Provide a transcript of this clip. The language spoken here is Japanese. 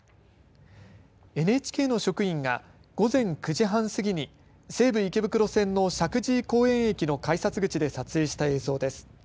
ＮＨＫの職員が午前９時半過ぎに西武池袋線の石神井公園駅の改札口で撮影した映像です。